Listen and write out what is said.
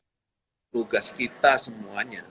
tugas kita semuanya